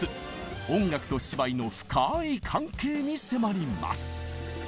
音楽と芝居の深い関係に迫ります。